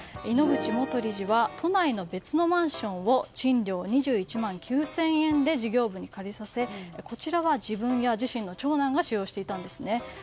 井ノ口元理事は都内の別のマンションを賃料２１万９０００円で事業部に借りさせこちらは自分や自身の長男が使用していたんです。